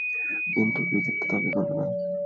কিন্তু কৃতিত্ব দাবি করবে না।